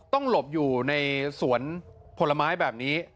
หลบอยู่ในสวนผลไม้แบบนี้